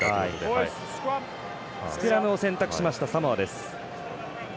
スクラムを選択しました、サモア。